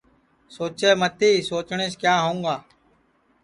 سوچے متی سوچٹؔیس کیا ہؤںگا